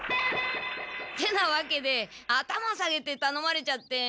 てなわけで頭を下げてたのまれちゃって。